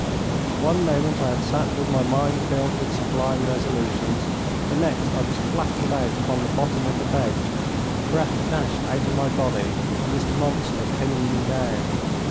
One moment I had sat with my mind filled with sublime resolutions, the next I was flattened out upon the bottom of the boat, the breath dashed out of my body, and this monster pinning me down.